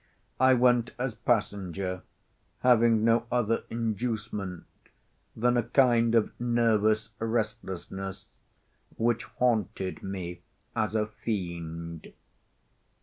I went as passenger—having no other inducement than a kind of nervous restlessness which haunted me as a fiend.